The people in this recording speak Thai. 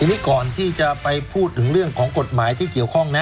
ทีนี้ก่อนที่จะไปพูดถึงเรื่องของกฎหมายที่เกี่ยวข้องนะ